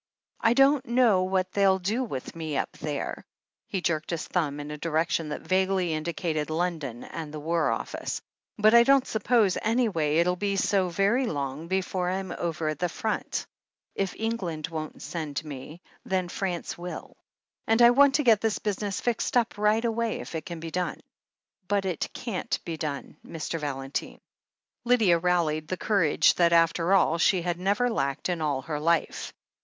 I don't know what they'll do with me up there" — he jerked his thumb in a direction that vaguely indicated London and the War Office — "but I don't suppose, any way, it'll be so very long before I'm over at the front. THE HEEL OF ACHILLES 393 If England won't send me, then France will. And I want to get this business fixed up right away if it can be done." "But it can't be done, Mr. Valentine." Lydia rallied the courage that, after all, she had never lacked in all her life.